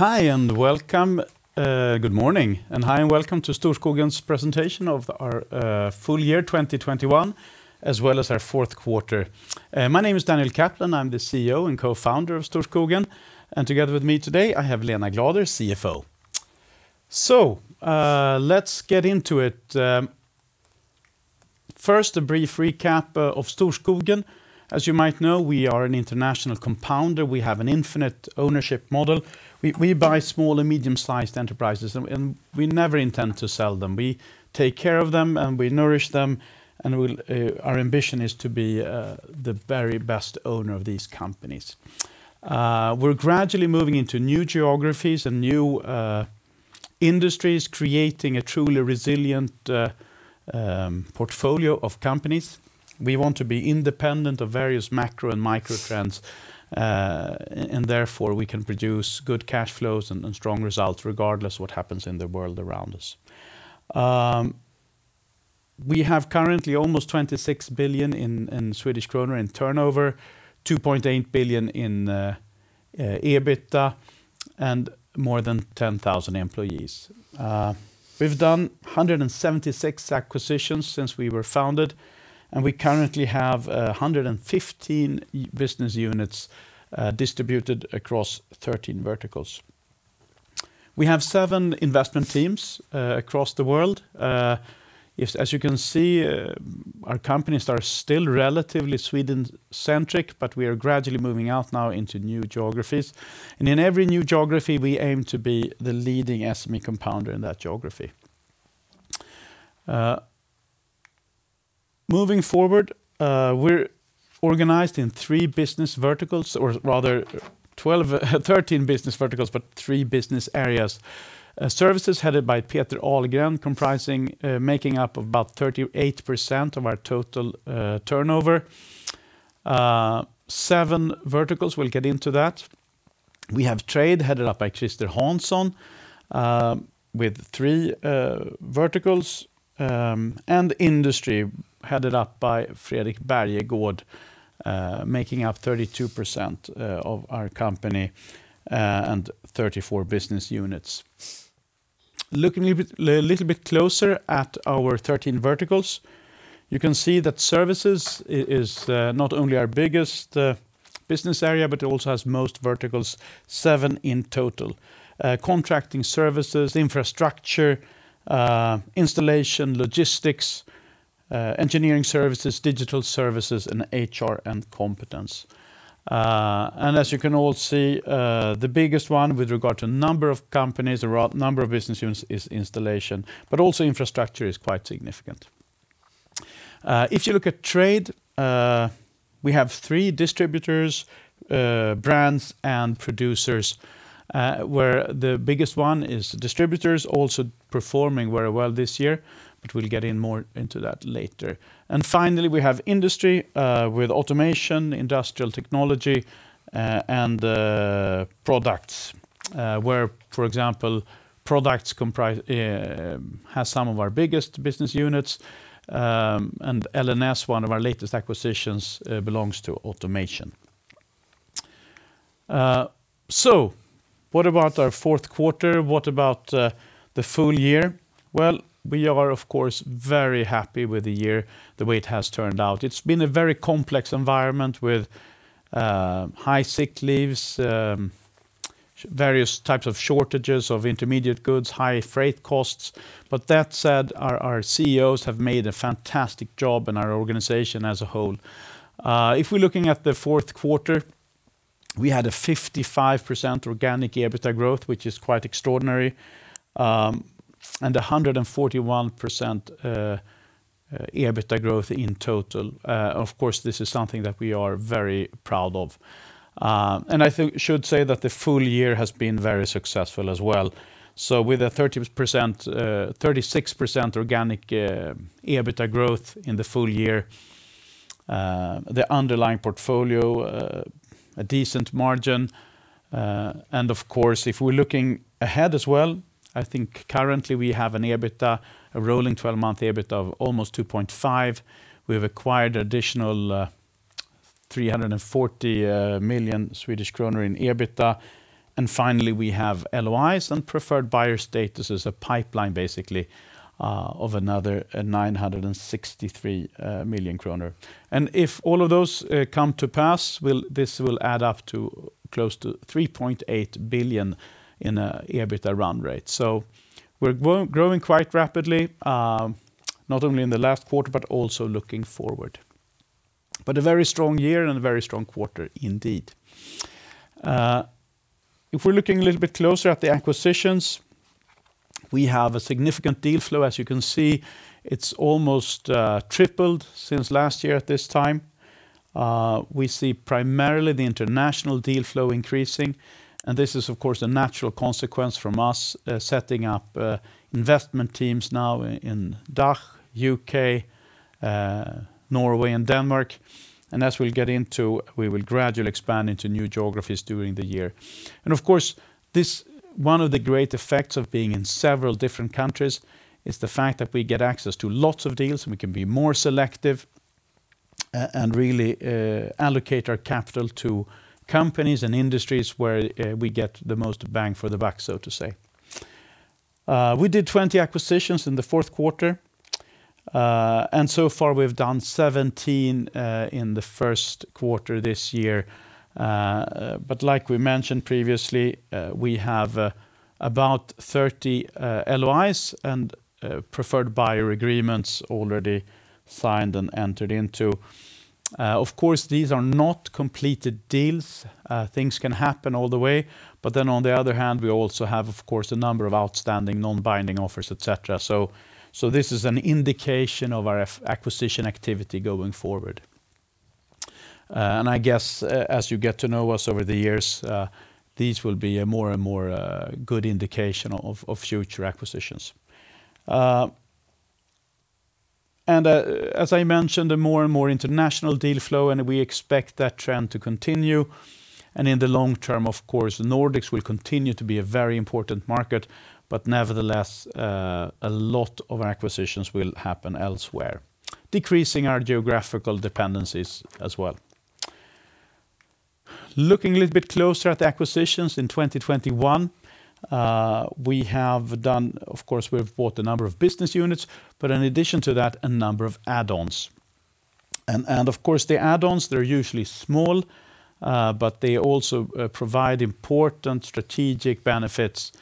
Hi, and welcome. Good morning, and hi, and welcome to Storskogen's presentation of our full year 2021, as well as our fourth quarter. My name is Daniel Kaplan, I'm the CEO and Co-founder of Storskogen, and together with me today, I have Lena Glader, CFO. Let's get into it. First, a brief recap of Storskogen. As you might know, we are an international compounder. We have an infinite ownership model. We buy small and medium-sized enterprises and we never intend to sell them. We take care of them, and we nourish them. Our ambition is to be the very best owner of these companies. We're gradually moving into new geographies and new industries, creating a truly resilient portfolio of companies. We want to be independent of various macro and micro trends, and therefore, we can produce good cash flows and strong results regardless of what happens in the world around us. We have currently almost 26 billion in turnover, 2.8 billion in EBITDA, and more than 10,000 employees. We've done 176 acquisitions since we were founded, and we currently have 115 business units distributed across 13 verticals. We have seven investment teams across the world. As you can see, our companies are still relatively Sweden-centric, but we are gradually moving out now into new geographies. In every new geography, we aim to be the leading SME compounder in that geography. Moving forward, we're organized in three business verticals, or rather 12, 13 business verticals, but three business areas. Services headed by Peter Algrén comprising, making up about 38% of our total turnover. Seven verticals, we'll get into that. We have trade, headed up by Christer Hansson, with three verticals, and industry, headed up by Fredrik Bergegård, making up 32% of our company, and 34 business units. Looking a bit closer at our 13 verticals, you can see that services is not only our biggest business area, but it also has most verticals, seven in total. Contracting services, infrastructure, installation, logistics, engineering services, digital services, and HR and competence. As you can all see, the biggest one with regard to number of companies or number of business units is installation, but also infrastructure is quite significant. If you look at trade, we have three distributors, brands, and producers, where the biggest one is distributors also performing very well this year, but we'll get in more into that later. Finally, we have industry, with automation, industrial technology, and products, where, for example, products has some of our biggest business units. And LNS, one of our latest acquisitions, belongs to automation. So what about our fourth quarter? What about the full year? Well, we are, of course, very happy with the year, the way it has turned out. It's been a very complex environment with high sick leaves, various types of shortages of intermediate goods, high freight costs. That said, our CEOs have made a fantastic job in our organization as a whole. If we're looking at the fourth quarter, we had a 55% organic EBITDA growth, which is quite extraordinary, and a 141% EBITDA growth in total. Of course, this is something that we are very proud of. I think I should say that the full year has been very successful as well. With a 36% organic EBITDA growth in the full year, the underlying portfolio, a decent margin. Of course, if we're looking ahead as well, I think currently we have a rolling twelve-month EBITDA of almost 2.5. We have acquired additional 340 million Swedish kronor in EBITDA. Finally, we have LOIs and preferred buyer status as a pipeline, basically, of another 963 million kronor. If all of those come to pass, this will add up to close to 3.8 billion in EBITDA run rate. We're growing quite rapidly, not only in the last quarter, but also looking forward. A very strong year and a very strong quarter indeed. If we're looking a little bit closer at the acquisitions, we have a significant deal flow. As you can see, it's almost tripled since last year at this time. We see primarily the international deal flow increasing, and this is, of course, a natural consequence from us setting up investment teams now in DACH, U.K., Norway, and Denmark. As we'll get into, we will gradually expand into new geographies during the year. Of course, this, one of the great effects of being in several different countries is the fact that we get access to lots of deals, and we can be more selective. Really, allocate our capital to companies and industries where we get the most bang for the buck, so to say. We did 20 acquisitions in the fourth quarter. So far we've done 17 in the first quarter this year. Like we mentioned previously, we have about 30 LOIs and preferred buyer agreements already signed and entered into. Of course, these are not completed deals. Things can happen all the way. On the other hand, we also have, of course, a number of outstanding non-binding offers, et cetera. This is an indication of our acquisition activity going forward. I guess as you get to know us over the years, these will be a more and more good indication of future acquisitions. As I mentioned, a more and more international deal flow, and we expect that trend to continue. In the long term, of course, Nordics will continue to be a very important market. Nevertheless, a lot of acquisitions will happen elsewhere, decreasing our geographical dependencies as well. Looking a little bit closer at the acquisitions in 2021, we have done... Of course, we've bought a number of business units, but in addition to that, a number of add-ons. Of course the add-ons, they're usually small, but they also provide important strategic benefits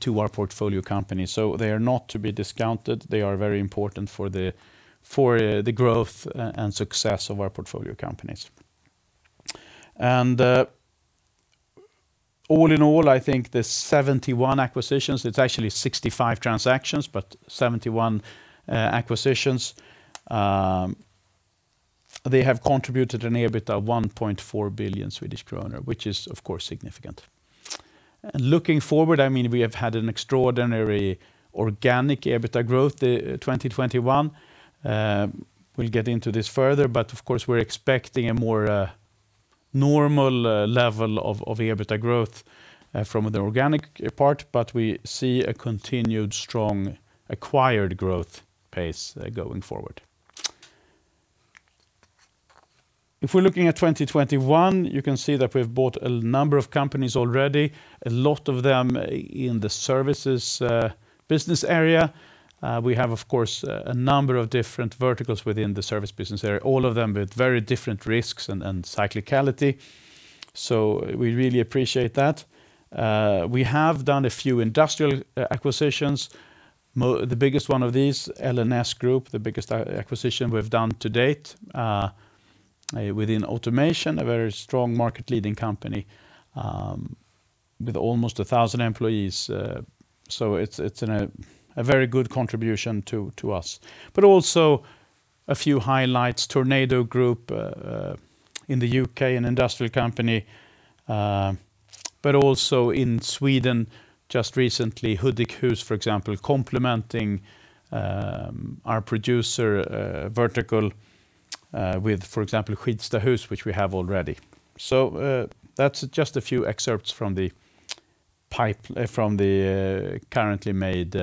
to our portfolio companies, so they are not to be discounted. They are very important for the growth and success of our portfolio companies. All in all, I think the 71 acquisitions, it's actually 65 transactions, but 71 acquisitions, they have contributed an EBITDA 1.4 billion Swedish kronor, which is, of course, significant. Looking forward, I mean, we have had an extraordinary organic EBITDA growth, 2021. We'll get into this further, but of course we're expecting a more normal level of EBITDA growth from the organic part, but we see a continued strong acquired growth pace going forward. If we're looking at 2021, you can see that we've bought a number of companies already, a lot of them in the Services business area. We have, of course, a number of different verticals within the Services business area, all of them with very different risks and cyclicality, so we really appreciate that. We have done a few industrial acquisitions. The biggest one of these, LNS Group, the biggest acquisition we've done to date, within automation, a very strong market-leading company, with almost 1,000 employees. It's a very good contribution to us. Also a few highlights, Tornado Group in the U.K., an industrial company, but also in Sweden, just recently Hudikhus, for example, complementing our producer vertical with, for example, Skidsta Hus, which we have already. That's just a few excerpts from the pipeline from the currently made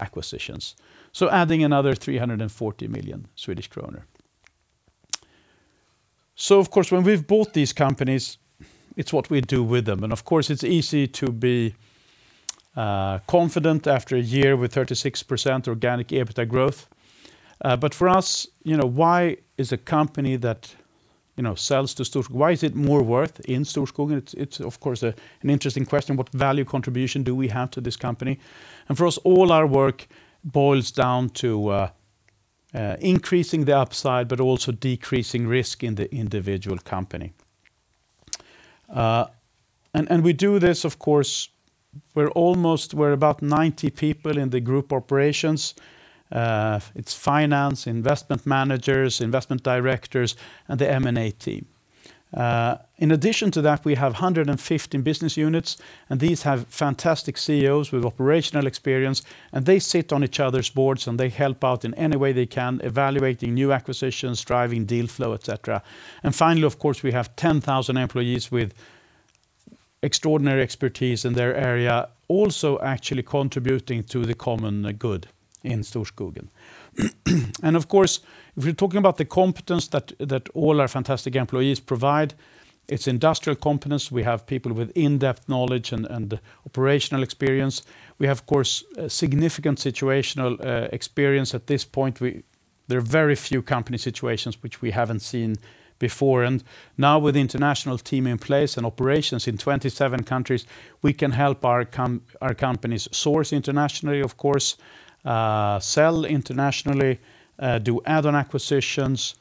acquisitions. Adding another SEK 340 million. Of course, when we've bought these companies, it's what we do with them. Of course, it's easy to be confident after a year with 36% organic EBITDA growth. But for us, you know, why is a company that, you know, sells to Storskogen, why is it more worth in Storskogen? It's of course an interesting question, what value contribution do we have to this company? For us, all our work boils down to increasing the upside, but also decreasing risk in the individual company. We do this, of course, we're about 90 people in the group operations. It's finance, investment managers, investment directors, and the M&A team. In addition to that, we have 115 business units, and these have fantastic CEOs with operational experience, and they sit on each other's boards, and they help out in any way they can, evaluating new acquisitions, driving deal flow, et cetera. Finally, of course, we have 10,000 employees with extraordinary expertise in their area, also actually contributing to the common good in Storskogen. Of course, if we're talking about the competence that all our fantastic employees provide, it's industrial competence. We have people with in-depth knowledge and operational experience. We have, of course, significant situational experience at this point. There are very few company situations which we haven't seen before. Now with the international team in place and operations in 27 countries, we can help our companies source internationally, of course, sell internationally, do add-on acquisitions.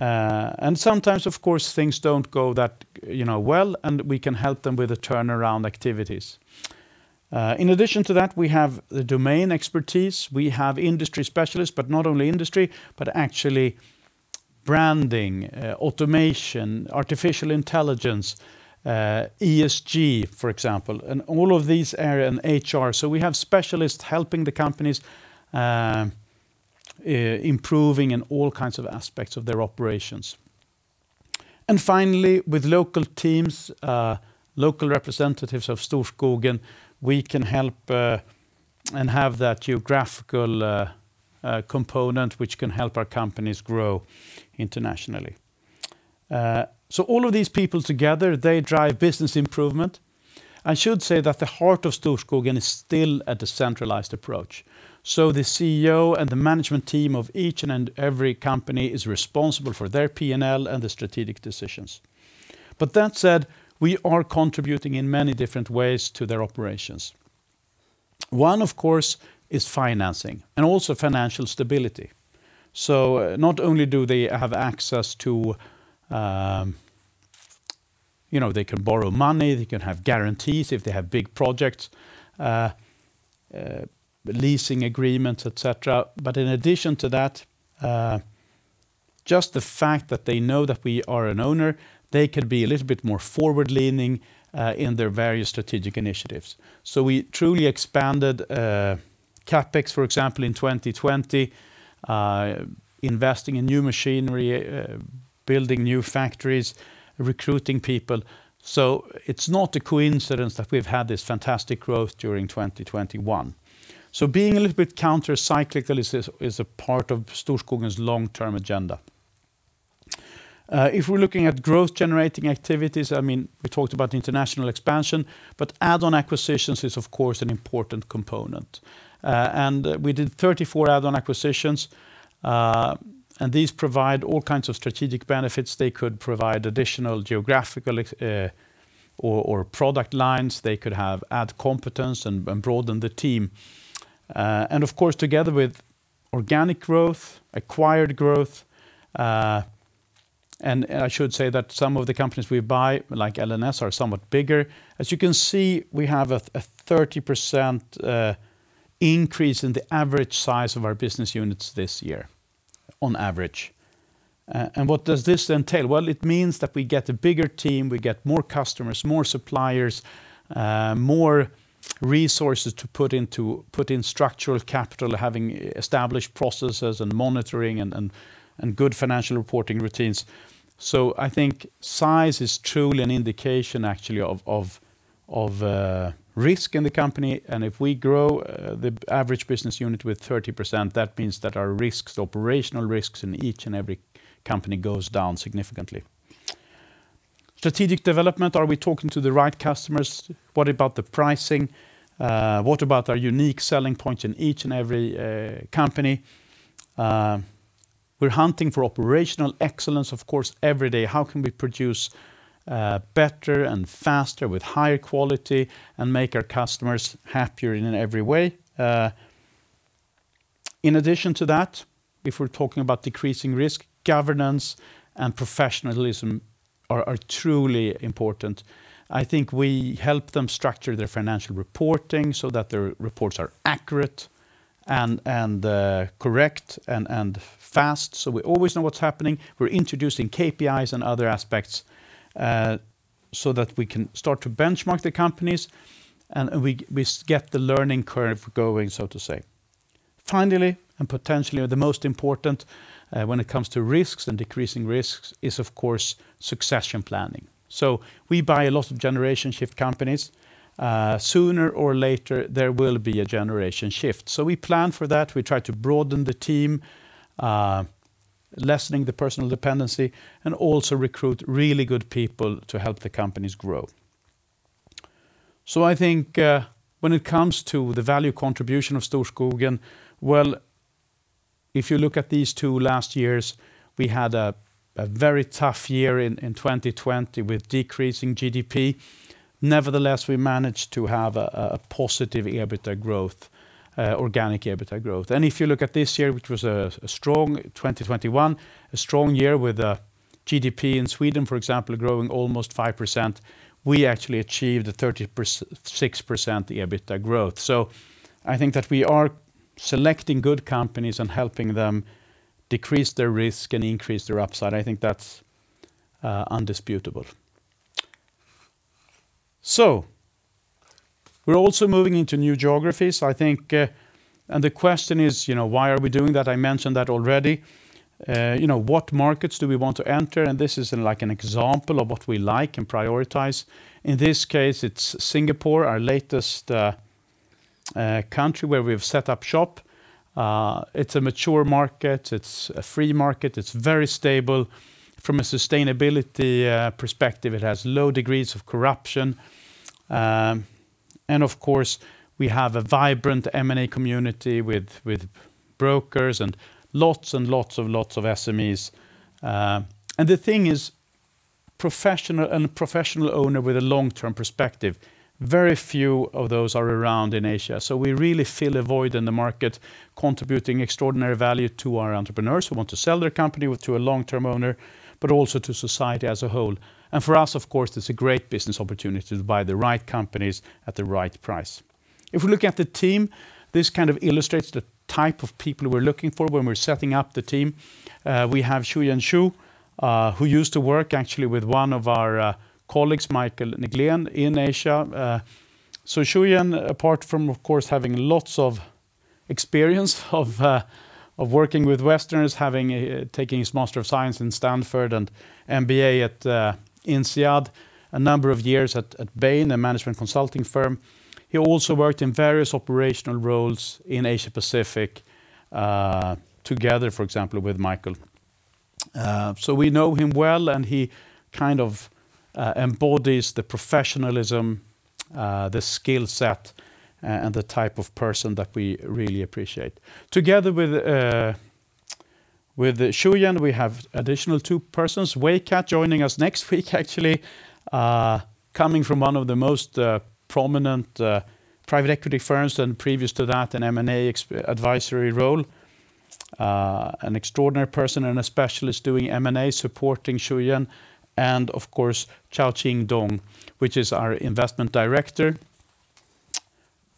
Sometimes, of course, things don't go that, you know, well, and we can help them with the turnaround activities. In addition to that, we have the domain expertise. We have industry specialists, but not only industry, but actually branding, automation, artificial intelligence, ESG, for example, and all of these areas, and HR. We have specialists helping the companies, improving in all kinds of aspects of their operations. Finally, with local teams, local representatives of Storskogen, we can help, and have that geographical, component which can help our companies grow internationally. All of these people together, they drive business improvement. I should say that the heart of Storskogen is still at the centralized approach. The CEO and the management team of each and every company is responsible for their P&L and the strategic decisions. That said, we are contributing in many different ways to their operations. One, of course, is financing and also financial stability. Not only do they have access to, you know, they can borrow money, they can have guarantees if they have big projects, leasing agreements, et cetera. In addition to that, just the fact that they know that we are an owner, they could be a little bit more forward-leaning in their various strategic initiatives. We truly expanded CapEx, for example, in 2020, investing in new machinery, building new factories, recruiting people. It's not a coincidence that we've had this fantastic growth during 2021. Being a little bit counter-cyclical is a part of Storskogen's long-term agenda. If we're looking at growth-generating activities, I mean, we talked about international expansion, but add-on acquisitions is of course an important component. We did 34 add-on acquisitions, and these provide all kinds of strategic benefits. They could provide additional geographical expansion or product lines. They could have added competence and broaden the team. Of course, together with organic growth, acquired growth, and I should say that some of the companies we buy, like LNS, are somewhat bigger. As you can see, we have a 30% increase in the average size of our business units this year on average. What does this entail? Well, it means that we get a bigger team, we get more customers, more suppliers, more resources to put in structural capital, having established processes and monitoring and good financial reporting routines. I think size is truly an indication actually of risk in the company. If we grow the average business unit with 30%, that means that our risks, operational risks in each and every company goes down significantly. Strategic development, are we talking to the right customers? What about the pricing? What about our unique selling point in each and every company? We're hunting for operational excellence, of course, every day. How can we produce better and faster with higher quality and make our customers happier in every way? In addition to that, if we're talking about decreasing risk, governance and professionalism are truly important. I think we help them structure their financial reporting so that their reports are accurate and correct and fast, so we always know what's happening. We're introducing KPIs and other aspects so that we can start to benchmark the companies and we get the learning curve going, so to say. Finally, and potentially the most important, when it comes to risks and decreasing risks is of course, succession planning. We buy a lot of generation shift companies. Sooner or later, there will be a generation shift. We plan for that. We try to broaden the team, lessening the personal dependency, and also recruit really good people to help the companies grow. I think, when it comes to the value contribution of Storskogen, well, if you look at these two last years, we had a very tough year in 2020 with decreasing GDP. Nevertheless, we managed to have a positive EBITDA growth, organic EBITDA growth. If you look at this year, which was a strong 2021, a strong year with a GDP in Sweden, for example, growing almost 5%, we actually achieved a 36% EBITDA growth. I think that we are selecting good companies and helping them decrease their risk and increase their upside. I think that's undisputable. We're also moving into new geographies, I think. The question is, you know, why are we doing that? I mentioned that already. You know, what markets do we want to enter? This is like an example of what we like and prioritize. In this case, it's Singapore, our latest country where we've set up shop. It's a mature market. It's a free market. It's very stable. From a sustainability perspective, it has low degrees of corruption. Of course, we have a vibrant M&A community with brokers and lots of SMEs. The thing is, a professional owner with a long-term perspective, very few of those are around in Asia. We really fill a void in the market, contributing extraordinary value to our entrepreneurs who want to sell their company to a long-term owner, but also to society as a whole. For us, of course, it's a great business opportunity to buy the right companies at the right price. If we look at the team, this kind of illustrates the type of people we're looking for when we're setting up the team. We have Shuyan Xu, who used to work actually with one of our colleagues, Michael Nygren, in Asia. Shuyan, apart from, of course, having lots of experience of working with Westerners, having taken his Master of Science in Stanford and MBA at INSEAD, a number of years at Bain, a management consulting firm. He also worked in various operational roles in Asia Pacific, together, for example, with Michael. We know him well, and he kind of embodies the professionalism, the skill set, and the type of person that we really appreciate. Together with Shuyan, we have additional two persons, Wei Kiat joining us next week actually, coming from one of the most prominent private equity firms and previous to that an M&A advisory role. An extraordinary person and a specialist doing M&A supporting Shuyan, and of course, Xiaoqing Dong, who is our investment director.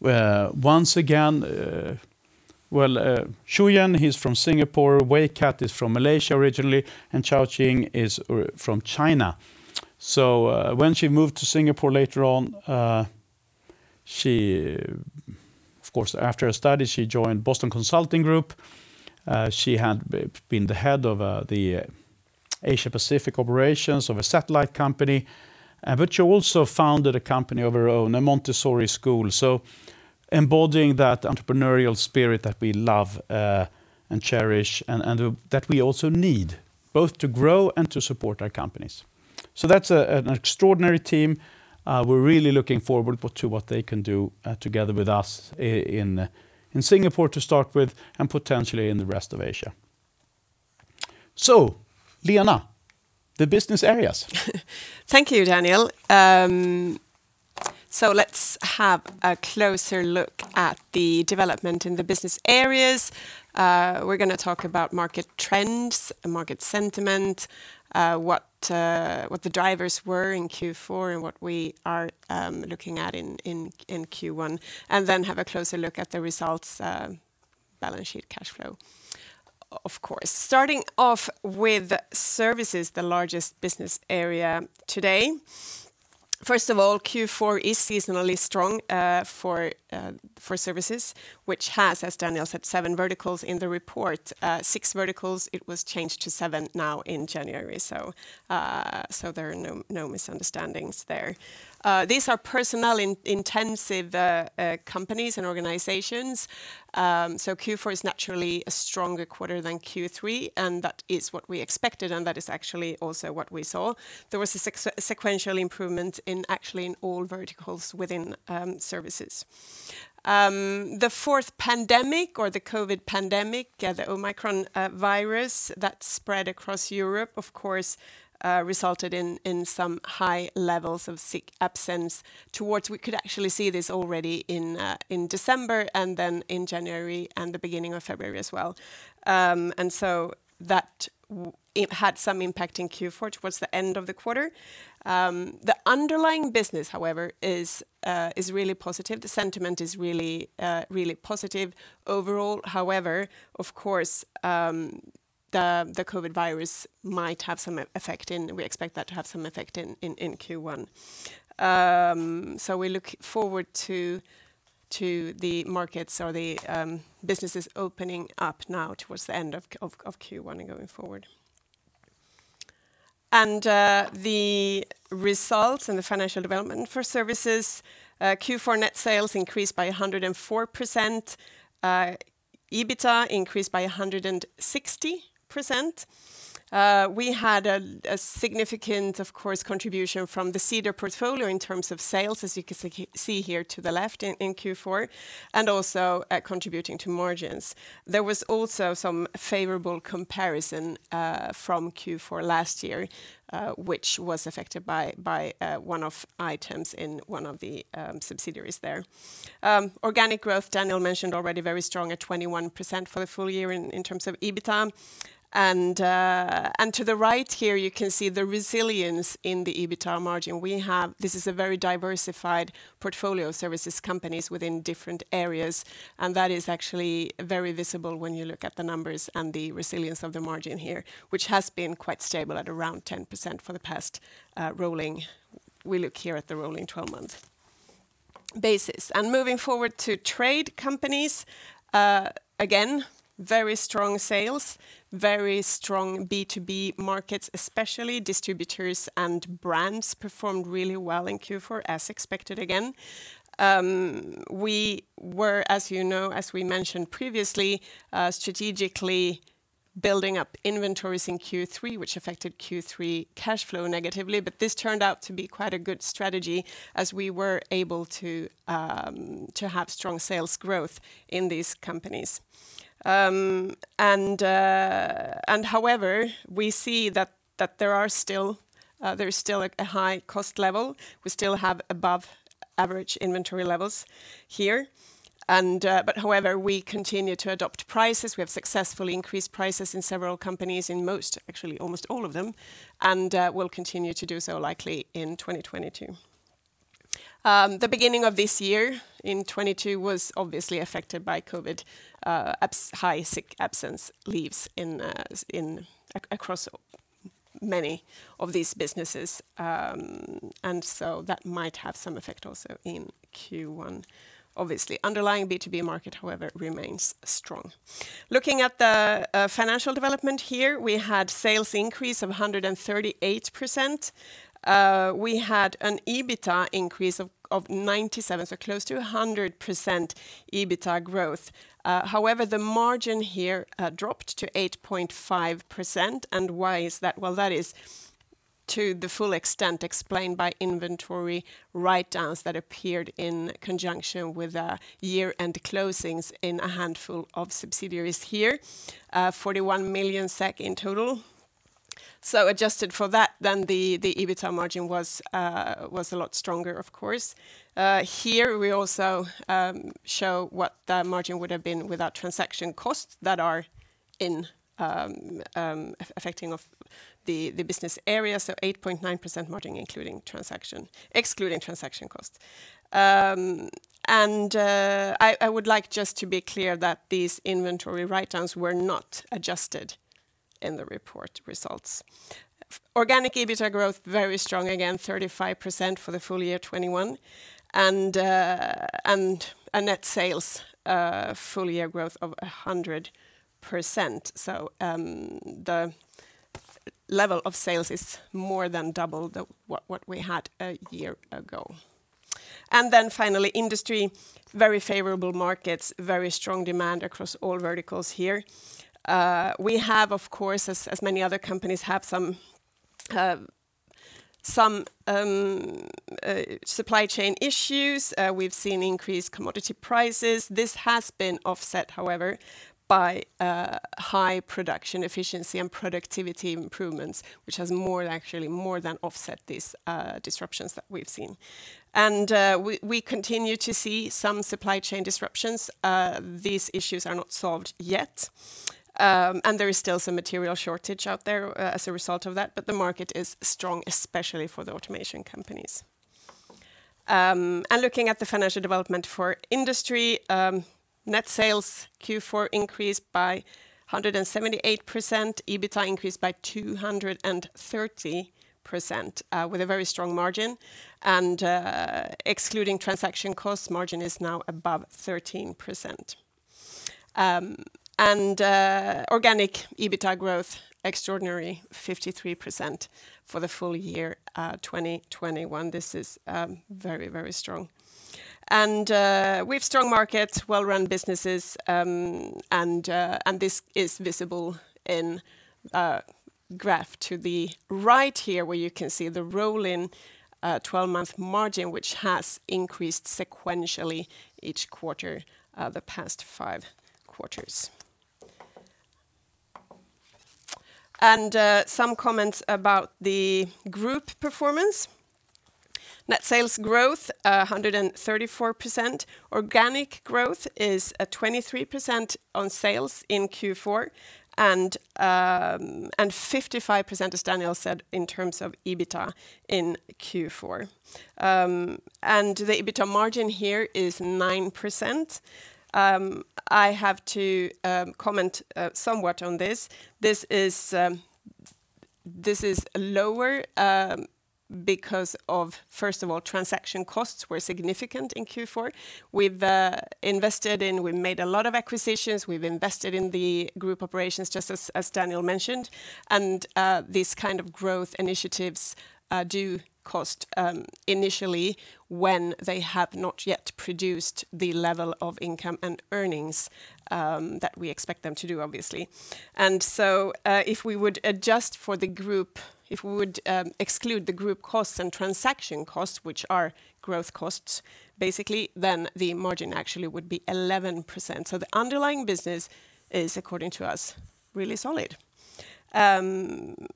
Once again, Shuyan, he's from Singapore, Wei Kiat is from Malaysia originally, and Xiaoqing is from China. When she moved to Singapore later on, she of course after her studies joined Boston Consulting Group. She had been the head of the Asia Pacific operations of a satellite company, but she also founded a company of her own, a Montessori school, so embodying that entrepreneurial spirit that we love and cherish and that we also need both to grow and to support our companies. That's an extraordinary team. We're really looking forward to what they can do together with us in Singapore to start with and potentially in the rest of Asia. Lena, the business areas. Thank you, Daniel. Let's have a closer look at the development in the business areas. We're gonna talk about market trends and market sentiment, what the drivers were in Q4 and what we are looking at in Q1, and then have a closer look at the results, balance sheet cash flow of course. Starting off with services, the largest business area today. First of all, Q4 is seasonally strong for services, which has, as Daniel said, seven verticals in the report. Six verticals, it was changed to seven now in January, so there are no misunderstandings there. These are personnel-intensive companies and organizations, so Q4 is naturally a stronger quarter than Q3, and that is what we expected, and that is actually also what we saw. There was a sequential improvement actually in all verticals within services. The fourth pandemic or the COVID pandemic, the Omicron virus that spread across Europe, of course, resulted in some high levels of sick absence. We could actually see this already in December and then in January and the beginning of February as well. It had some impact in Q4 towards the end of the quarter. The underlying business, however, is really positive. The sentiment is really positive overall. However, of course, the COVID virus might have some effect in Q1. We expect that to have some effect in Q1. We look forward to the markets or the businesses opening up now towards the end of Q1 and going forward. The results and the financial development for services, Q4 net sales increased by 104%. EBITDA increased by 160%. We had a significant, of course, contribution from the Ceder portfolio in terms of sales, as you can see here to the left in Q4, and also contributing to margins. There was also some favorable comparison from Q4 last year, which was affected by one-off items in one of the subsidiaries there. Organic growth, Daniel mentioned already, very strong at 21% for the full year in terms of EBITDA. To the right here, you can see the resilience in the EBITDA margin. This is a very diversified portfolio of services companies within different areas, and that is actually very visible when you look at the numbers and the resilience of the margin here, which has been quite stable at around 10% on the rolling 12-month basis. Moving forward to trade companies, again, very strong sales, very strong B2B markets, especially distributors and brands performed really well in Q4 as expected again. We were, as you know, as we mentioned previously, strategically building up inventories in Q3, which affected Q3 cash flow negatively, but this turned out to be quite a good strategy as we were able to have strong sales growth in these companies. However, we see that there is still a high cost level. We still have above average inventory levels here. We continue to adjust prices. We have successfully increased prices in several companies in most, actually almost all of them, and will continue to do so likely in 2022. The beginning of this year in 2022 was obviously affected by COVID, high sick absence leaves in across many of these businesses, and so that might have some effect also in Q1. Obviously, underlying B2B market, however, remains strong. Looking at the financial development here, we had sales increase of 138%. We had an EBITDA increase of 97, so close to 100% EBITDA growth. However, the margin here dropped to 8.5%, and why is that? That is to the full extent explained by inventory write-downs that appeared in conjunction with the year-end closings in a handful of subsidiaries here, 41 million SEK in total. Adjusted for that, the EBITDA margin was a lot stronger, of course. Here, we also show what the margin would have been without transaction costs that are affecting the business areas, 8.9% margin excluding transaction costs. I would like just to be clear that these inventory write-downs were not adjusted in the reported results. Organic EBITDA growth, very strong, again, 35% for the full year 2021, and a net sales full year growth of 100%. The level of sales is more than double what we had a year ago. Finally, industry, very favorable markets, very strong demand across all verticals here. We have, of course, as many other companies have some supply chain issues. We've seen increased commodity prices. This has been offset, however, by high production efficiency and productivity improvements, which has more than offset these disruptions that we've seen. We continue to see some supply chain disruptions. These issues are not solved yet, and there is still some material shortage out there, as a result of that, but the market is strong, especially for the automation companies. Looking at the financial development for Industry, net sales Q4 increased by 178%, EBITDA increased by 230%, with a very strong margin, and excluding transaction cost, margin is now above 13%. Organic EBITDA growth extraordinary 53% for the full year, 2021. This is very, very strong. We have strong markets, well-run businesses, and this is visible in graph to the right here, where you can see the rolling 12-month margin, which has increased sequentially each quarter the past 5 quarters. Some comments about the group performance. Net sales growth 134%. Organic growth is at 23% on sales in Q4 and 55%, as Daniel said, in terms of EBITDA in Q4. The EBITDA margin here is 9%. I have to comment somewhat on this. This is lower because, first of all, transaction costs were significant in Q4. We've made a lot of acquisitions. We've invested in the group operations, just as Daniel mentioned, and these kind of growth initiatives do cost initially when they have not yet produced the level of income and earnings that we expect them to do, obviously. If we would exclude the group costs and transaction costs, which are growth costs, basically, then the margin actually would be 11%. The underlying business is, according to us, really solid. RTM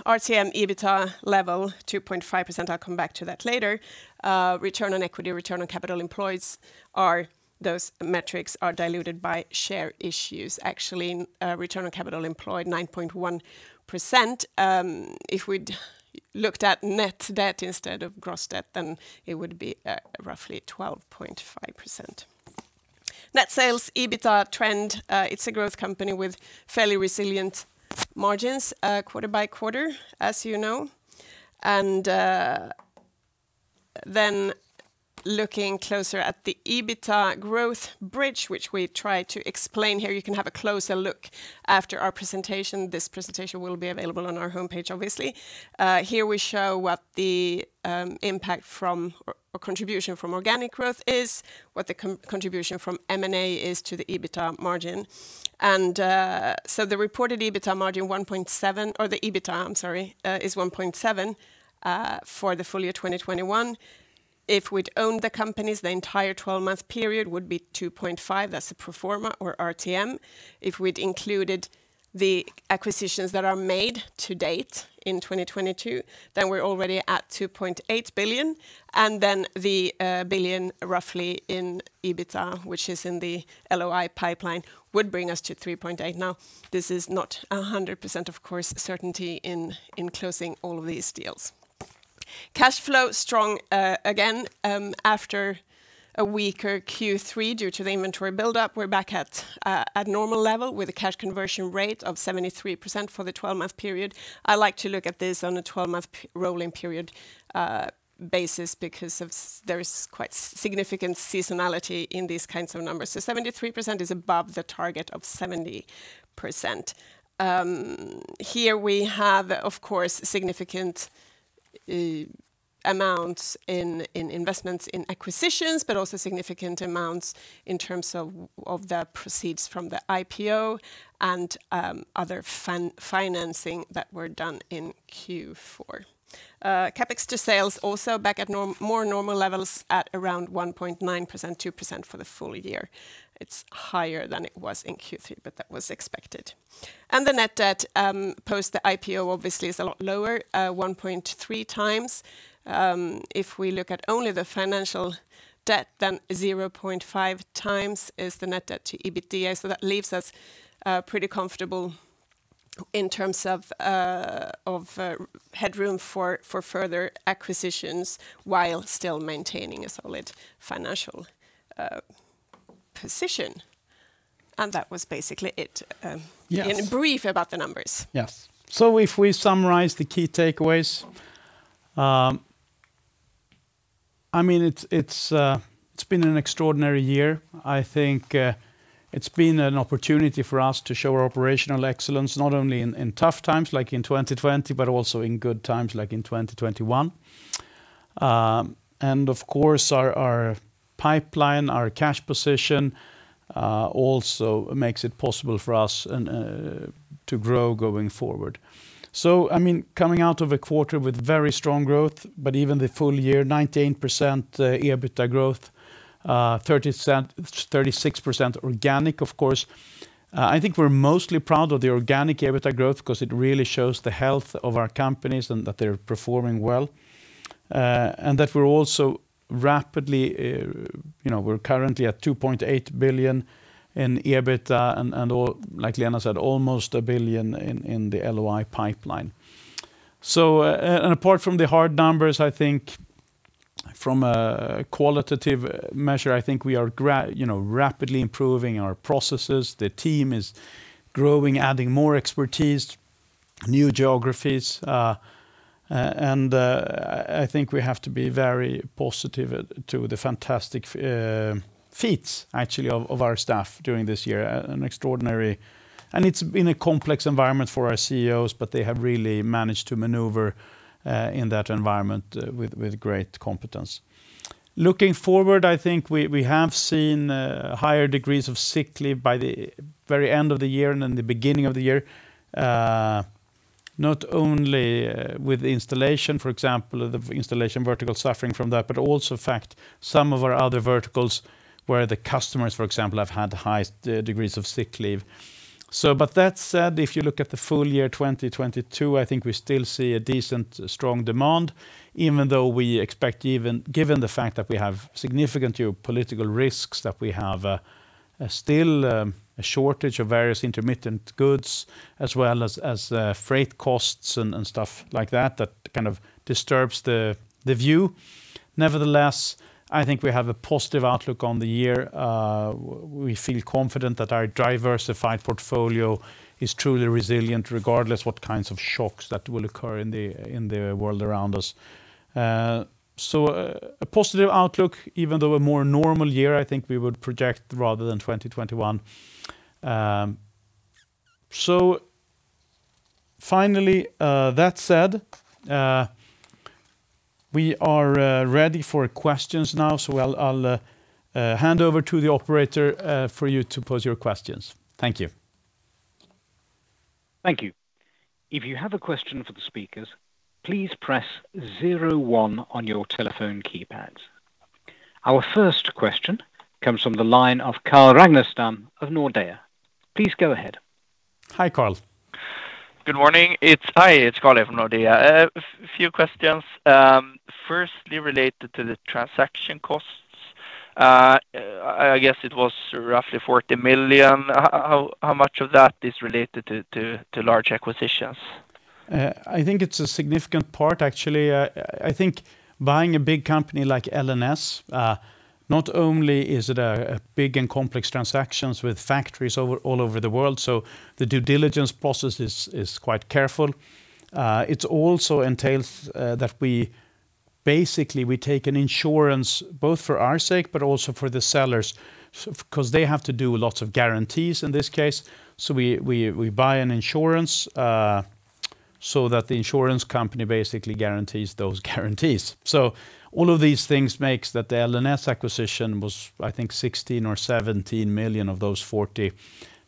EBITDA level 2.5%, I'll come back to that later. Return on equity, return on capital employed, those metrics are diluted by share issues. Actually, return on capital employed, 9.1%. If we'd looked at net debt instead of gross debt, then it would be roughly 12.5%. Net sales EBITDA trend, it's a growth company with fairly resilient margins quarter by quarter, as you know. Then looking closer at the EBITDA growth bridge, which we try to explain here, you can have a closer look after our presentation. This presentation will be available on our homepage, obviously. Here we show what the contribution from organic growth is, what the contribution from M&A is to the EBITDA margin. The reported EBITDA margin, 1.7, or the EBITDA, I'm sorry, is 1.7 for the full year 2021. If we'd owned the companies, the entire twelve-month period would be 2.5. That's the pro forma or RTM. If we'd included the acquisitions that are made to date in 2022, then we're already at 2.8 billion, and then the roughly 1 billion in EBITDA, which is in the LOI pipeline, would bring us to 3.8. Now, this is not 100%, of course, certainty in closing all of these deals. Cash flow strong, again, after a weaker Q3 due to the inventory buildup. We're back at normal level with a cash conversion rate of 73% for the twelve-month period. I like to look at this on a 12-month rolling period basis because there is quite significant seasonality in these kinds of numbers. 73% is above the target of 70%. Here we have, of course, significant amounts in investments in acquisitions, but also significant amounts in terms of the proceeds from the IPO and other financing that were done in Q4. CapEx to sales also back at more normal levels at around 1.9%, 2% for the full year. It's higher than it was in Q3, but that was expected. The net debt post the IPO obviously is a lot lower, 1.3 times. If we look at only the financial debt, then 0.5 times is the net debt to EBITDA, so that leaves us pretty comfortable in terms of headroom for further acquisitions while still maintaining a solid financial position. That was basically it. Yes In brief about the numbers. Yes. If we summarize the key takeaways, I mean, it's been an extraordinary year. I think it's been an opportunity for us to show operational excellence, not only in tough times like in 2020, but also in good times like in 2021. Of course our pipeline, our cash position also makes it possible for us to grow going forward. I mean, coming out of a quarter with very strong growth, but even the full year, 19% EBITDA growth, 36% organic, of course. I think we're mostly proud of the organic EBITDA growth because it really shows the health of our companies and that they're performing well. that we're also rapidly, you know, we're currently at 2.8 billion in EBITDA and all, like Lena said, almost 1 billion in the LOI pipeline. Apart from the hard numbers, I think from a qualitative measure, I think we are you know, rapidly improving our processes. The team is growing, adding more expertise, new geographies. I think we have to be very positive to the fantastic feats actually of our staff during this year, an extraordinary. It's been a complex environment for our CEOs, but they have really managed to maneuver in that environment with great competence. Looking forward, I think we have seen higher degrees of sick leave by the very end of the year and in the beginning of the year, not only with installation, for example, the installation vertical suffering from that, but also in fact some of our other verticals where the customers, for example, have had high degrees of sick leave. That said, if you look at the full year 2022, I think we still see a decently strong demand, even though we expect, even given the fact that we have significant geopolitical risks, that we have still a shortage of various intermediate goods as well as freight costs and stuff like that kind of disturbs the view. Nevertheless, I think we have a positive outlook on the year. We feel confident that our diversified portfolio is truly resilient regardless what kinds of shocks that will occur in the world around us. A positive outlook, even though a more normal year, I think we would project rather than 2021. Finally, that said, we are ready for questions now, so I'll hand over to the operator for you to pose your questions. Thank you. Thank you. If you have a question for the speakers, please press zero one on your telephone keypads. Our first question comes from the line of Carl Ragnerstam of Nordea. Please go ahead. Hi, Carl Ragnarstam. Good morning. Hi, it's Carl Ragnerstam from Nordea. A few questions. Firstly, related to the transaction costs. I guess it was roughly 40 million. How much of that is related to large acquisitions? I think it's a significant part, actually. I think buying a big company like LNS not only is it a big and complex transactions with factories all over the world, the due diligence process is quite careful. It also entails that we basically take an insurance both for our sake but also for the sellers because they have to do lots of guarantees in this case. We buy an insurance so that the insurance company basically guarantees those guarantees. All of these things makes that the LNS acquisition was, I think, 16 million or 17 million of those 40 million,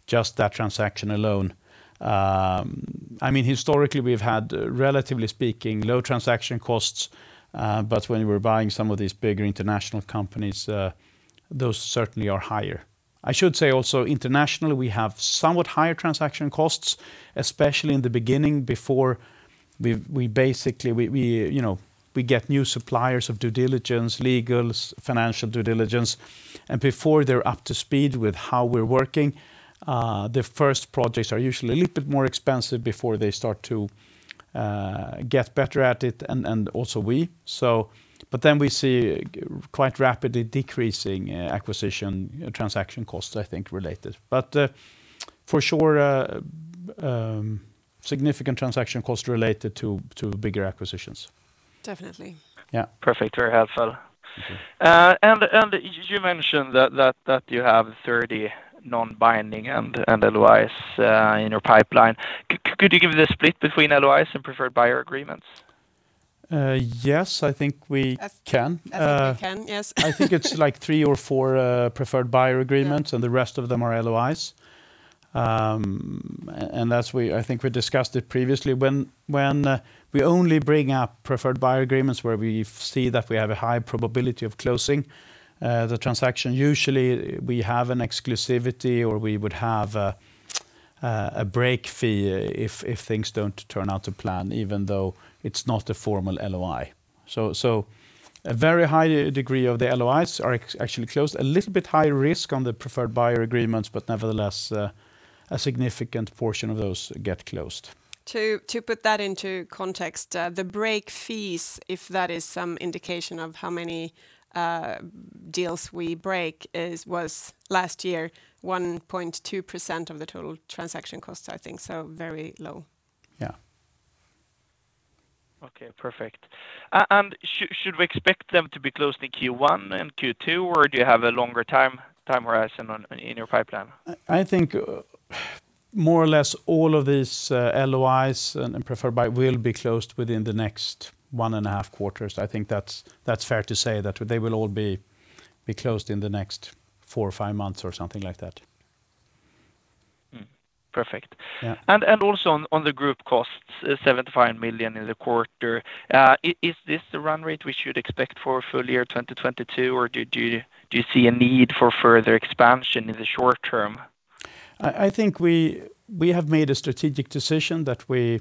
just that transaction alone. I mean, historically, we've had relatively speaking low transaction costs, but when we're buying some of these bigger international companies, those certainly are higher. I should say also internationally, we have somewhat higher transaction costs, especially in the beginning before we basically you know we get new suppliers of due diligence, legals, financial due diligence, and before they're up to speed with how we're working, the first projects are usually a little bit more expensive before they start to get better at it and also we then see quite rapidly decreasing acquisition transaction costs, I think, related. For sure, significant transaction costs related to bigger acquisitions. Definitely. Yeah. Perfect. Very helpful. You mentioned that you have 30 non-binding and LOIs in your pipeline. Could you give the split between LOIs and preferred buyer agreements? Yes, I think we can. I think we can, yes. I think it's, like, three or four preferred buyer agreements. Yeah The rest of them are LOIs. As we, I think we discussed it previously, when we only bring up preferred buyer agreements where we see that we have a high probability of closing the transaction, usually we have an exclusivity or we would have a break fee if things don't turn out to plan, even though it's not a formal LOI. A very high degree of the LOIs are actually closed. A little bit high risk on the preferred buyer agreements, but nevertheless, a significant portion of those get closed. To put that into context, the break fees, if that is some indication of how many deals we break is, was last year 1.2% of the total transaction costs, I think. Very low. Yeah. Okay. Perfect. Should we expect them to be closed in Q1 and Q2, or do you have a longer time horizon on in your pipeline? I think more or less all of these LOIs and preferred buy will be closed within the next one and a half quarters. I think that's fair to say that they will all be closed in the next 4 or 5 months, or something like that. Perfect. Yeah. Also on the group costs, 75 million in the quarter, is this the run rate we should expect for full year 2022, or do you see a need for further expansion in the short term? I think we have made a strategic decision that we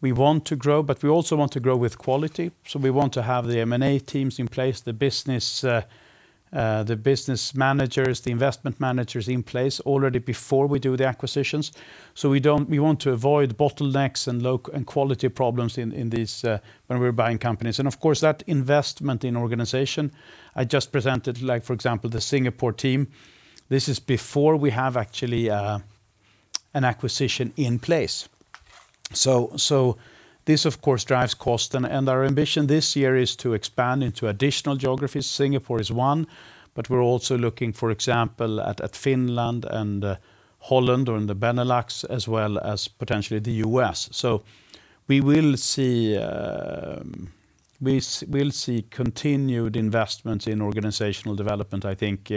want to grow, but we also want to grow with quality, so we want to have the M&A teams in place, the business managers, the investment managers in place already before we do the acquisitions, so we want to avoid bottlenecks and quality problems in these when we're buying companies. Of course, that investment in organization I just presented, like for example, the Singapore team, this is before we have actually an acquisition in place. This of course drives cost, and our ambition this year is to expand into additional geographies. Singapore is one, but we're also looking, for example, at Finland and Holland or in the Benelux, as well as potentially the U.S. We will see continued investment in organizational development, I think,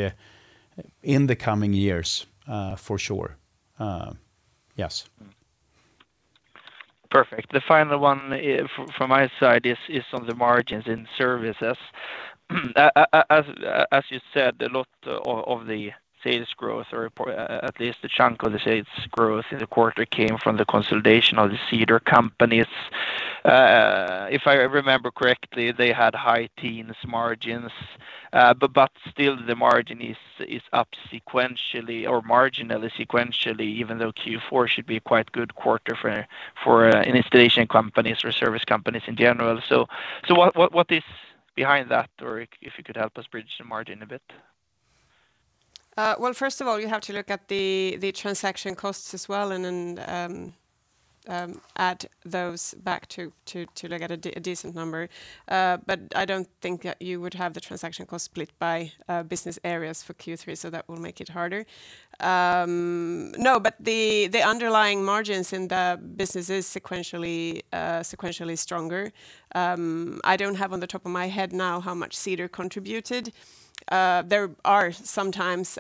in the coming years, for sure. Yes. Perfect. The final one from my side is on the margins in services. As you said, a lot of the sales growth, or at least a chunk of the sales growth in the quarter came from the consolidation of the Ceder companies. If I remember correctly, they had high-teens margins. But still the margin is up sequentially, even though Q4 should be a quite good quarter for installation companies or service companies in general. What is behind that, or if you could help us bridge the margin a bit? Well, first of all, you have to look at the transaction costs as well, and then add those back to look at a decent number. I don't think you would have the transaction cost split by business areas for Q3, so that will make it harder. No, the underlying margins in the business is sequentially stronger. I don't have on the top of my head now how much Ceder contributed. There are sometimes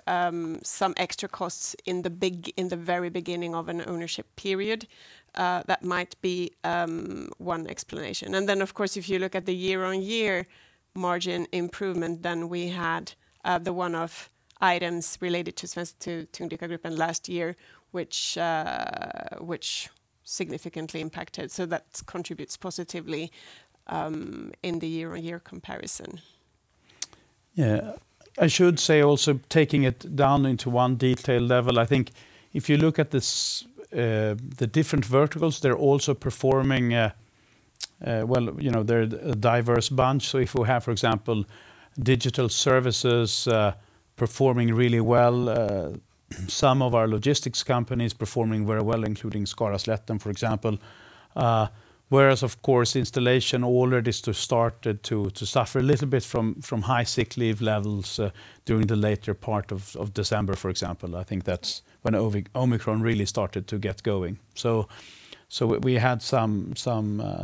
some extra costs in the very beginning of an ownership period that might be one explanation. Of course, if you look at the year-on-year margin improvement, then we had the one-off items related to Svenska Tungdykargruppen than last year, which significantly impacted. That contributes positively in the year-on-year comparison. Yeah. I should say also, taking it down into one detail level, I think if you look at this, the different verticals, they're also performing. Well, you know, they're a diverse bunch. If we have, for example, digital services performing really well, some of our logistics companies performing very well, including Skaraslättens, for example. Whereas of course installation already started to suffer a little bit from high sick leave levels during the later part of December, for example. I think that's when Omicron really started to get going. We had some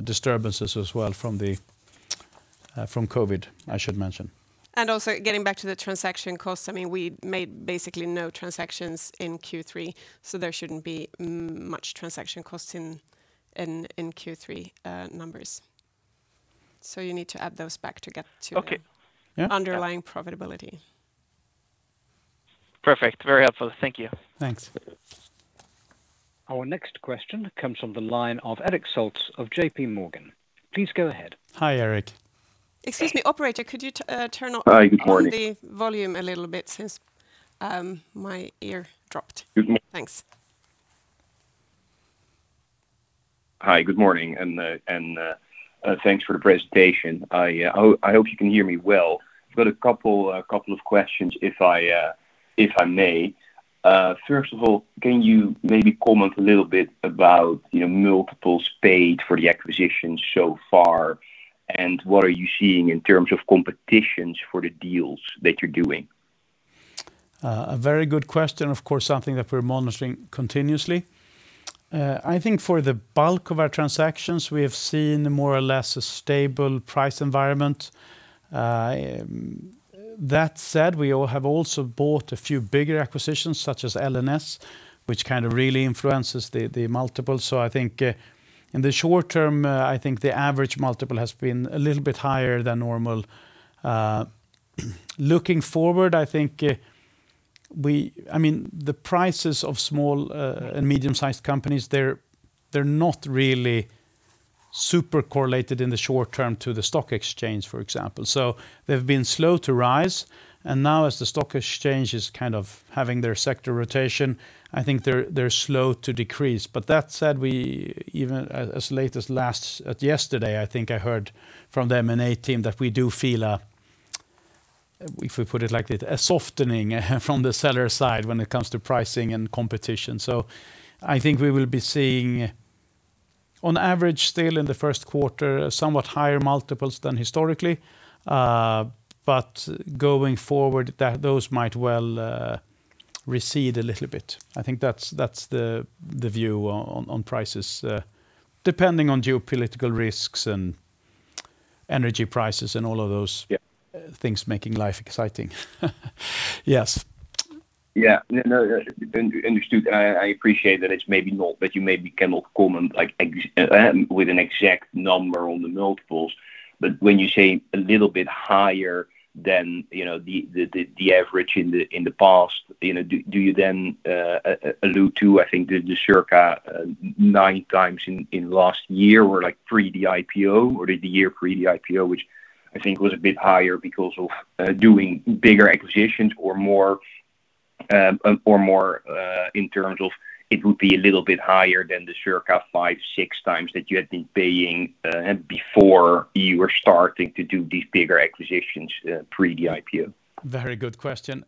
disturbances as well from COVID, I should mention. Also getting back to the transaction costs, I mean, we made basically no transactions in Q3, so there shouldn't be much transaction costs in Q3 numbers. You need to add those back to get to- Okay. underlying profitability. Perfect. Very helpful. Thank you. Thanks. Our next question comes from the line of Erik Sältz of JP Morgan. Please go ahead. Hi, Erik. Excuse me, operator, could you turn up? Hi. Good morning.... the volume a little bit since my ear dropped. Good m- Thanks. Hi. Good morning, and thanks for the presentation. I hope you can hear me well. I've got a couple of questions if I may. First of all, can you maybe comment a little bit about, you know, multiples paid for the acquisitions so far, and what are you seeing in terms of competition for the deals that you're doing? A very good question. Of course, something that we're monitoring continuously. I think for the bulk of our transactions, we have seen more or less a stable price environment. That said, we all have also bought a few bigger acquisitions, such as LNS, which kind of really influences the multiple. I think in the short term, I think the average multiple has been a little bit higher than normal. Looking forward, I think I mean, the prices of small and medium-sized companies, they're not really super correlated in the short term to the stock exchange, for example. They've been slow to rise, and now as the stock exchange is kind of having their sector rotation, I think they're slow to decrease. That said, even as late as yesterday, I think I heard from the M&A team that we do feel, if we put it like this, a softening from the seller side when it comes to pricing and competition. I think we will be seeing on average still in the first quarter, somewhat higher multiples than historically, but going forward, those might well recede a little bit. I think that's the view on prices, depending on geopolitical risks and energy prices and all of those. Yeah things making life exciting. Yes. Yeah. No, understood. I appreciate that it's maybe not, but you maybe cannot comment like with an exact number on the multiples. When you say a little bit higher than, you know, the average in the past, you know, do you then allude to, I think, the circa 9x in last year were like pre the IPO or the year pre the IPO, which I think was a bit higher because of doing bigger acquisitions or more or more in terms of it would be a little bit higher than the circa 5-6x that you had been paying before you were starting to do these bigger acquisitions pre the IPO. Very good question.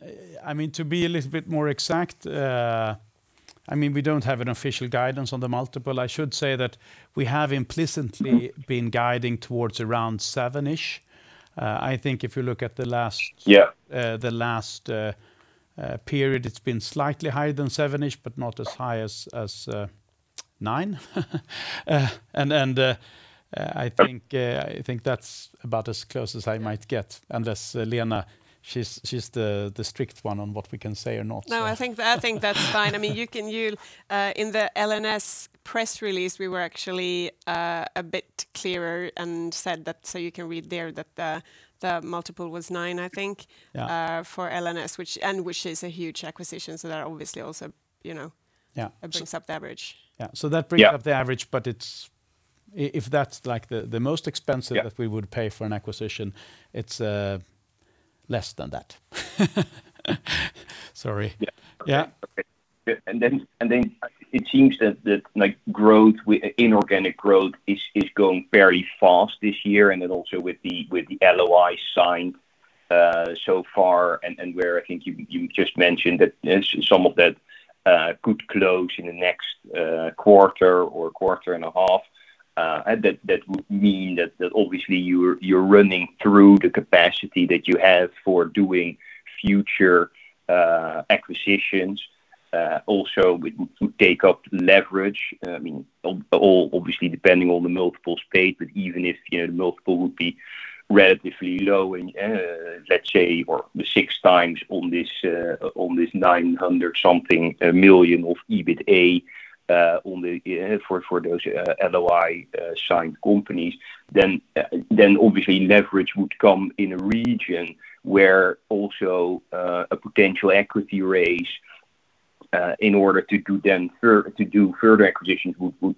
I mean, to be a little bit more exact, I mean, we don't have an official guidance on the multiple. I should say that we have implicitly been guiding towards around seven-ish. I think if you look at the last- Yeah The last period, it's been slightly higher than 7-ish, but not as high as 9. I think that's about as close as I might get. Unless Lena, she's the strict one on what we can say or not. No, I think that's fine. I mean, you can read in the LNS press release, we were actually a bit clearer and said that, so you can read there that the multiple was 9, I think. Yeah... for LNS, which is a huge acquisition. That obviously also, you know- Yeah It brings up the average. Yeah. That brings up the average. It's if that's like the most expensive- Yeah... that we would pay for an acquisition, it's less than that. Sorry. Yeah. Yeah. Okay. It seems like the growth with inorganic growth is going very fast this year. With the LOI signed so far, where I think you just mentioned that some of that could close in the next quarter or quarter and a half. That would mean that obviously you're running through the capacity that you have for doing future acquisitions. Also it would take up leverage. I mean, all obviously depending on the multiples paid, but even if, you know, the multiple would be relatively low and, let's say, 6x on this 900-something million of EBITA for those LOI signed companies, then obviously leverage would come in a region where also a potential equity raise in order to do further acquisitions would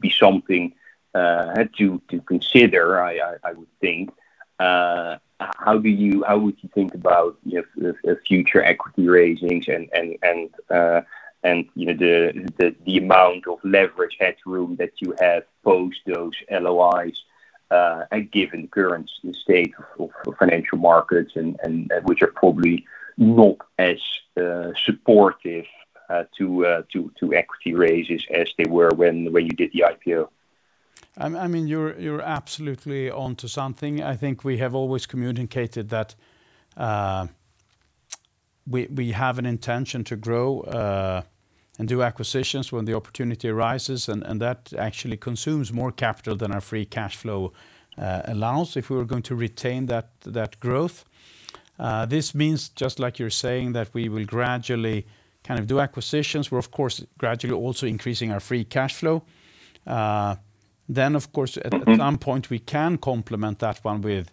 be something to consider, I would think. How would you think about, you know, the future equity raisings and, you know, the amount of leverage headroom that you have post those LOIs, given current state of financial markets and which are probably not as supportive to equity raises as they were when you did the IPO? I mean, you're absolutely on to something. I think we have always communicated that we have an intention to grow and do acquisitions when the opportunity arises, and that actually consumes more capital than our free cash flow allows if we were going to retain that growth. This means, just like you're saying, that we will gradually kind of do acquisitions. We're of course gradually also increasing our free cash flow. Of course, at some point, we can complement that one with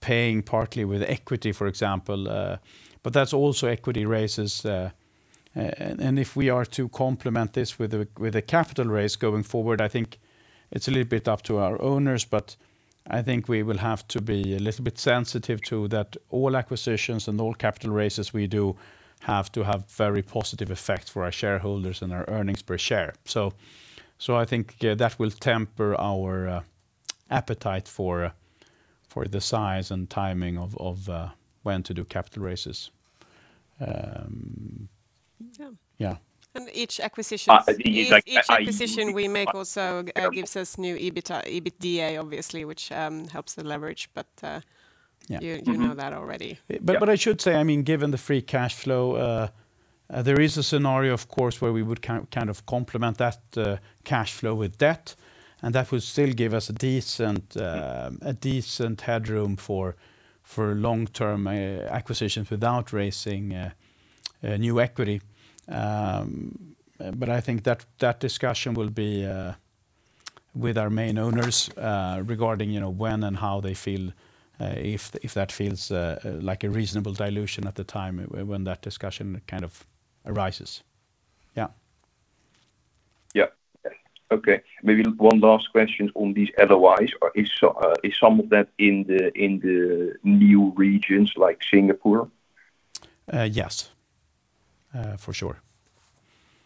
paying partly with equity, for example. That's also equity raises. If we are to complement this with a capital raise going forward, I think it's a little bit up to our owners, but I think we will have to be a little bit sensitive to that all acquisitions and all capital raises we do have to have very positive effect for our shareholders and our earnings per share. I think that will temper our appetite for the size and timing of when to do capital raises. Yeah. Yeah. Each acquisitions Uh, like I- Each acquisition we make also gives us new EBITDA, obviously, which helps the leverage. Yeah. you know that already. I should say, I mean, given the free cash flow, there is a scenario of course, where we would kind of complement that cash flow with debt, and that would still give us a decent headroom for long-term acquisitions without raising new equity. I think that discussion will be with our main owners regarding, you know, when and how they feel if that feels like a reasonable dilution at the time when that discussion kind of arises. Yeah. Yeah. Okay. Maybe one last question on these LOIs. Is some of that in the new regions like Singapore? Yes. For sure.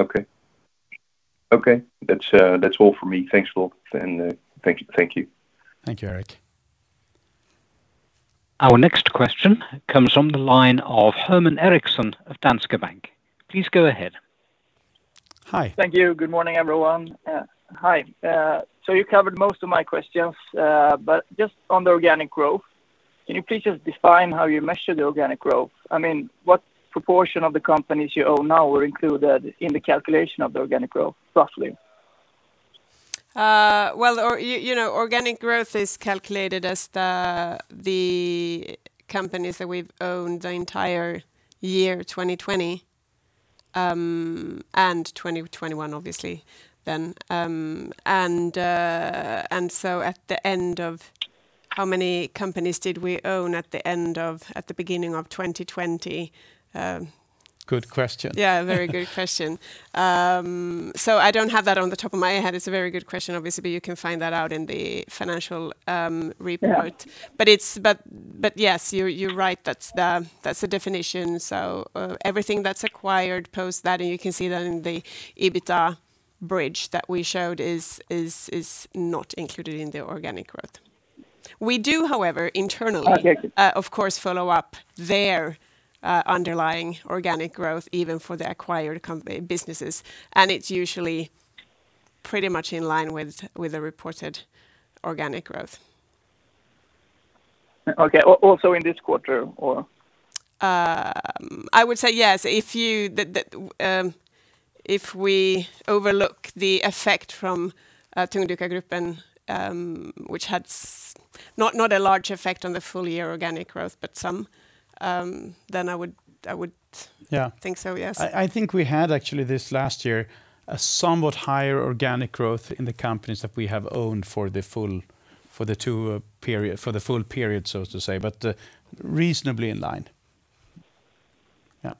Okay. That's all for me. Thanks a lot, and thank you. Thank you, Erik Sältz. Our next question comes from the line of Herman Eriksson of Danske Bank. Please go ahead. Hi. Thank you. Good morning, everyone. You covered most of my questions, but just on the organic growth, can you please just define how you measure the organic growth? I mean, what proportion of the companies you own now were included in the calculation of the organic growth, roughly? Organic growth is calculated as the companies that we've owned the entire year 2020 and 2021 obviously then. How many companies did we own at the beginning of 2020? Good question. Yeah, very good question. I don't have that on the top of my head. It's a very good question. Obviously, you can find that out in the financial report. Yeah. Yes, you're right. That's the definition. Everything that's acquired post that, and you can see that in the EBITDA bridge that we showed, is not included in the organic growth. We do, however, internally- Okay Of course, follow up their underlying organic growth even for the acquired businesses, and it's usually pretty much in line with the reported organic growth. Okay. Also in this quarter or? I would say yes. If we overlook the effect from Svenska Tungdykargruppen, which had not a large effect on the full year organic growth, but some, then I would. Yeah I think so, yes. I think we had actually this last year a somewhat higher organic growth in the companies that we have owned for the full period, so to say, but reasonably in line. Yeah.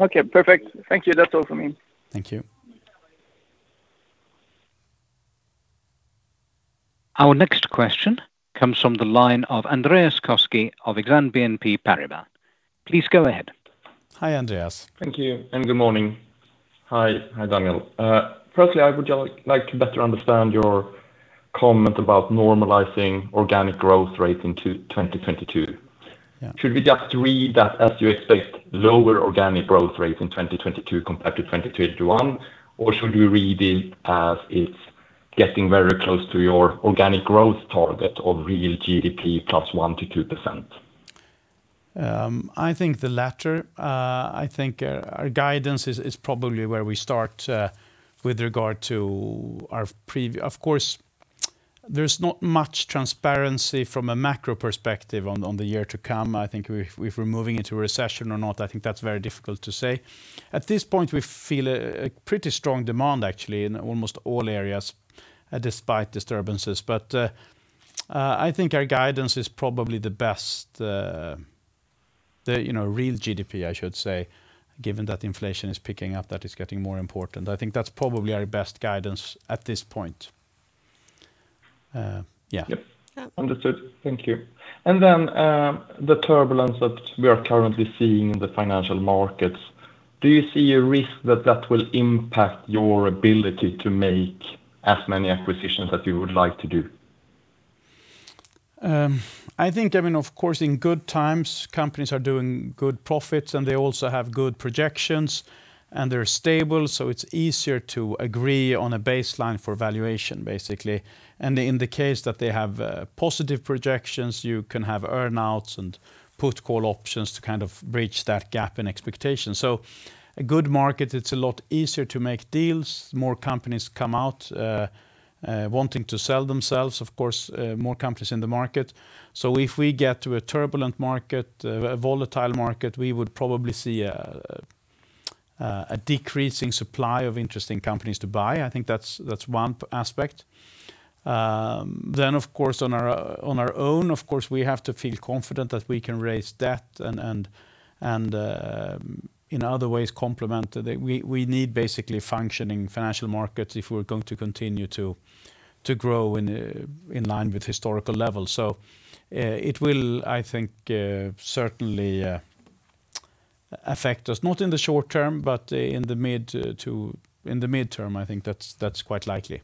Okay, perfect. Thank you. That's all for me. Thank you. Our next question comes from the line of Andreas Koski of Exane BNP Paribas. Please go ahead. Hi, Andreas. Thank you and good morning. Hi. Hi, Daniel. Firstly, I would like to better understand your comment about normalizing organic growth rate into 2022. Yeah. Should we just read that as you expect lower organic growth rate in 2022 compared to 2021, or should we read it as it's getting very close to your organic growth target of real GDP plus 1-2%? I think the latter. I think our guidance is probably where we start with regard to our previous. Of course, there's not much transparency from a macro perspective on the year to come. I think if we're moving into a recession or not, I think that's very difficult to say. At this point, we feel a pretty strong demand actually in almost all areas despite disturbances. I think our guidance is probably the best, you know, real GDP, I should say, given that inflation is picking up, that is getting more important. I think that's probably our best guidance at this point. Yeah. Yep. Yeah. Understood. Thank you. The turbulence that we are currently seeing in the financial markets, do you see a risk that that will impact your ability to make as many acquisitions that you would like to do? I think, I mean, of course, in good times, companies are doing good profits and they also have good projections and they're stable, so it's easier to agree on a baseline for valuation, basically. In the case that they have positive projections, you can have earn-outs and put call options to kind of bridge that gap in expectations. A good market, it's a lot easier to make deals. More companies come out wanting to sell themselves, of course, more companies in the market. If we get to a turbulent market, a volatile market, we would probably see a decreasing supply of interesting companies to buy, I think that's one aspect. Of course, on our own, we have to feel confident that we can raise debt and in other ways complement. We need basically functioning financial markets if we're going to continue to grow in line with historical levels. It will, I think, certainly affect us, not in the short term, but in the midterm. I think that's quite likely.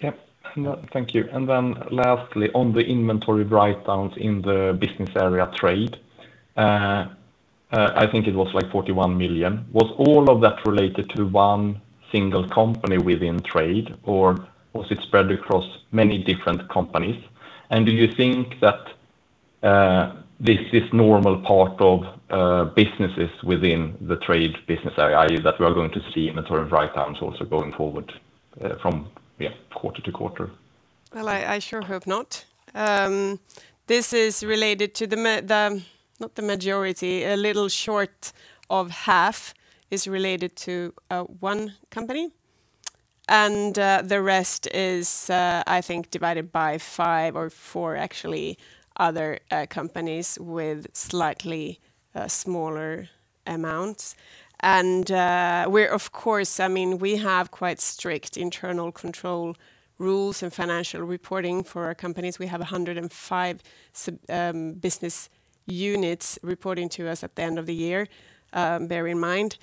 Yep. No. Thank you. Then lastly, on the inventory write-downs in the Business Area Trade, I think it was like 41 million. Was all of that related to one single company within Trade, or was it spread across many different companies? Do you think that this is normal part of businesses within the Trade Business Area, that we are going to see inventory write-downs also going forward from quarter to quarter? Well, I sure hope not. This is related to not the majority. A little short of half is related to one company. The rest is, I think, divided between four or five actually other companies with slightly smaller amounts. We're of course. I mean, we have quite strict internal control rules and financial reporting for our companies. We have 105 business units reporting to us at the end of the year, bear in mind.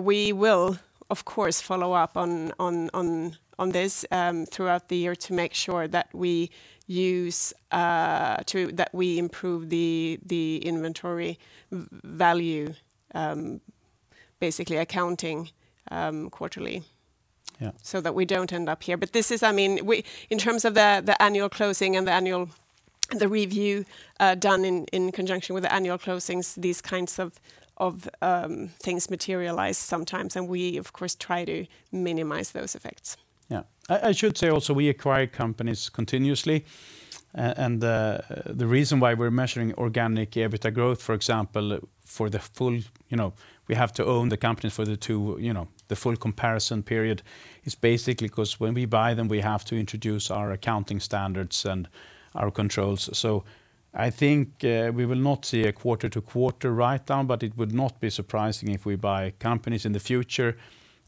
We will, of course, follow up on this throughout the year to make sure that we improve the inventory value, basically accounting quarterly. Yeah so that we don't end up here. This is, I mean, in terms of the annual closing and the annual review done in conjunction with the annual closings, these kinds of things materialize sometimes, and we, of course, try to minimize those effects. I should say also we acquire companies continuously. The reason why we're measuring organic EBITDA growth, for example, for the full, you know, we have to own the company for the two, you know, the full comparison period, is basically 'cause when we buy them, we have to introduce our accounting standards and our controls. I think we will not see a quarter to quarter write-down, but it would not be surprising if we buy companies in the future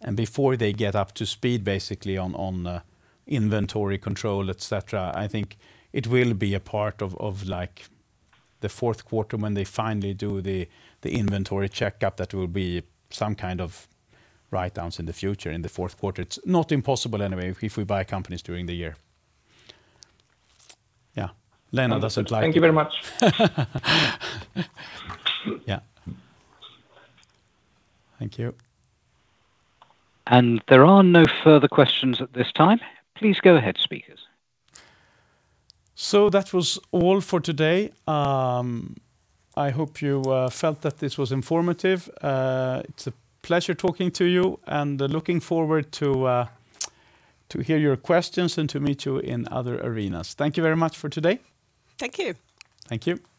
and before they get up to speed basically on inventory control, et cetera. I think it will be a part of like the fourth quarter when they finally do the inventory checkup, that will be some kind of write-downs in the future, in the fourth quarter. It's not impossible anyway if we buy companies during the year. Yeah. Lena doesn't like it. Thank you very much. Yeah. Thank you. There are no further questions at this time. Please go ahead, speakers. That was all for today. I hope you felt that this was informative. It's a pleasure talking to you, and looking forward to hear your questions and to meet you in other arenas. Thank you very much for today. Thank you. Thank you.